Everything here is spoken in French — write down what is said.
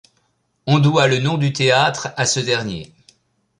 On doit le nom du théâtre à ce dernier.